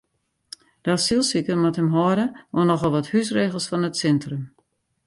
De asylsiker moat him hâlde oan nochal wat húsregels fan it sintrum.